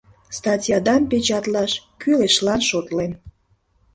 Статьядам печатлаш кӱлешлан шотлем.